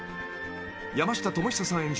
［山下智久さん演じる